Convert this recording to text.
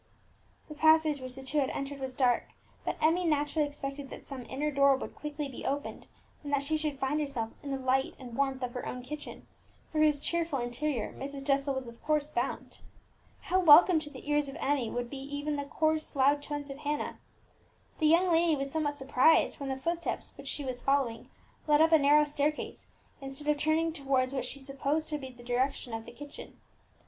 The passage which the two had entered was dark, but Emmie naturally expected that some inner door would quickly be opened, and that she should find herself in the light and warmth of her own kitchen, for whose cheerful interior Mrs. Jessel of course was bound. How welcome to the ears of Emmie would be even the coarse loud tones of Hannah! The young lady was somewhat surprised when the footsteps which she was following led up a narrow staircase, instead of turning towards what she supposed to be the direction of the kitchen.